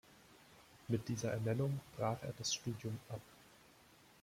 Mit dieser Ernennung brach er das Studium ab.